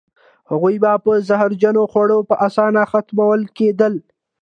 هغوی به په زهرجنو خوړو په اسانه ختمول کېدل.